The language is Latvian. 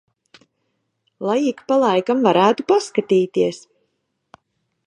Lai ik pa laikam varētu paskatīties.